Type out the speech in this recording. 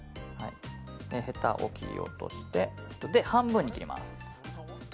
へたを切り落として半分に切ります。